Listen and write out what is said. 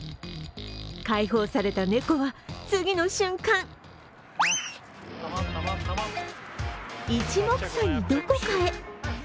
解放された猫は次の瞬間いちもくさんにどこかへ。